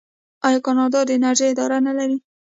آیا کاناډا د انرژۍ اداره نلري؟